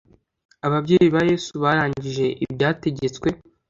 Ababyeyi ba Yesu barangije ibyategetswe